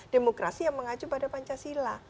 demokrasi yang mengacu pada pancasila